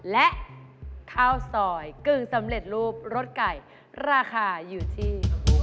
และข้าวซอยกึ่งสำเร็จรูปรสไก่ราคาอยู่ที่